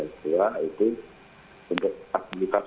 yang terlihat naik turun karena tidak rekod